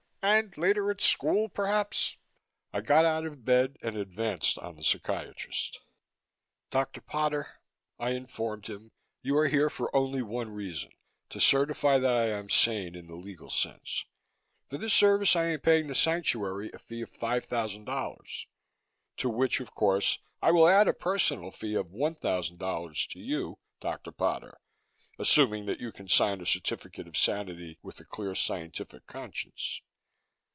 And, later at school, perhaps " I got out of bed and advanced on the psychiatrist. "Dr. Potter," I informed him, "you are here for only one reason, to certify that I am sane in the legal sense. For this service I am paying the Sanctuary a fee of five thousand dollars. To which, of course, I will add a personal fee of one thousand dollars to you, Dr. Potter, assuming that you can sign a certificate of sanity with a clear scientific conscience."